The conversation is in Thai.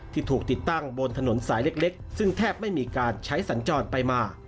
ที่ถูกติดตั้งบนถนนสายเล็กซึ่งแทบไม่มีการใช้สัญจรไปมา